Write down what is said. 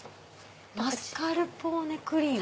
「マスカルポーネクリーム」。